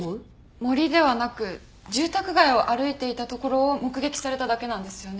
森ではなく住宅街を歩いていたところを目撃されただけなんですよね？